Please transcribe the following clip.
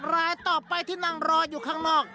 รายต่อไปที่นั่งรออยู่ข้างนอก